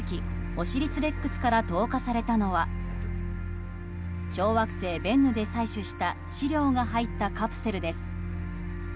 「オシリス・レックス」から投下されたのは小惑星ベンヌで採取した試料が入ったカプセルです。